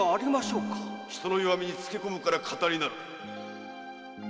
〔人の弱みにつけ込むから「騙り」なのだ〕